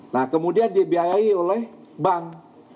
nah kemudian dibiayai oleh bank